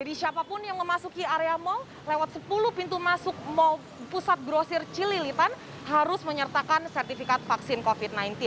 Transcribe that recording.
jadi siapapun yang memasuki area mall lewat sepuluh pintu masuk mall pusat grosir cililitan harus menyertakan sertifikat vaksin covid sembilan belas